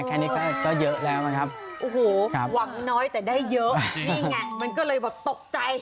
โหหวังน้อยแต่ได้เยอะนี่ไงมันก็เลยบอกตกใจ